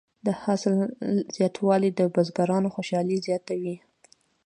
د حاصل زیاتوالی د بزګرانو خوشحالي زیاته وي.